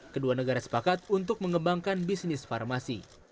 kedua negara sepakat untuk mengembangkan bisnis farmasi